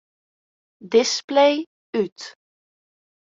Display út.